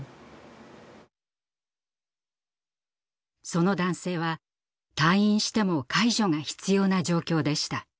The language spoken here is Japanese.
その男性は退院しても介助が必要な状況でした。